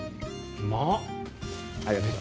うまっ。